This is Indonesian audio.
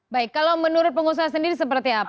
baik kalau menurut pengusaha sendiri seperti apa